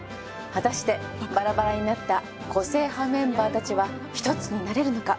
果たしてバラバラになった個性派メンバーたちは一つになれるのか？